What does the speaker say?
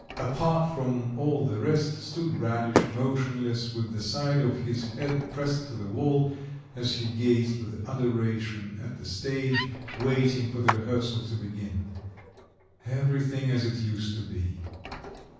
Apart from all the rest stood Radish, motionless, with the side of his head pressed to the wall as he gazed with adoration at the stage, waiting for the rehearsal to begin. Everything as it used to be.